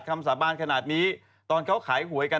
สาบานขนาดนี้ตอนเขาขายหวยกัน